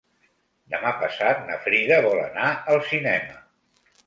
Demà passat na Frida vol anar al cinema.